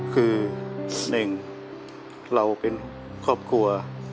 คือหนึ่งเราเป็นครอบครัว